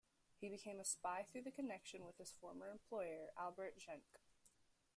He became a spy through the connection with his former employer, Albert Jenke.